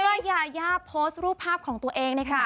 ยายาโพสต์รูปภาพของตัวเองในขณะ